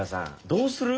どうする？